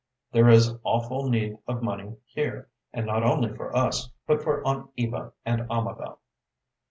There is awful need of money here, and not only for us, but for Aunt Eva and Amabel."